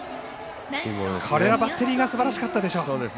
これはバッテリーがすばらしかったでしょう。